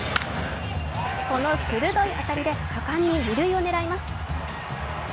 この鋭い当たりで果敢に二塁を狙います。